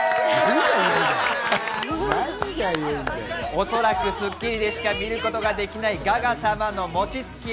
おそらく『スッキリ』でしか見ることができないガガ様の餅つき。